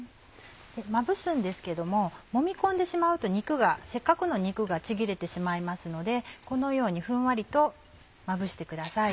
まぶすんですけどももみ込んでしまうとせっかくの肉がちぎれてしまいますのでこのようにふんわりとまぶしてください。